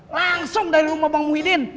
langsung dari rumah bang muhyidin